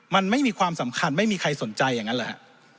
มันไม่มีความสำคัญไม่มีใครสนใจอย่างนั้นเหรอฮะ